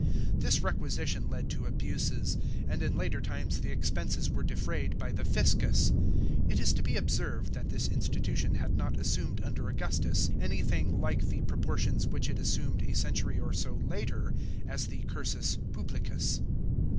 This requisition led to abuses, and in later times the expenses were defrayed by the //sews. It is to be observed that this institution had not assumed under Augustus anything like the proportions which it assumed a century oi so later, as the curs <s publicus.